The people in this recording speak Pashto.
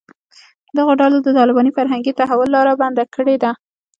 دغو ډلو د طالباني فرهنګي تحول لاره بنده کړې ده